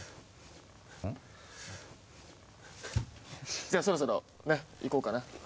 ん？じゃそろそろねっ行こうかな。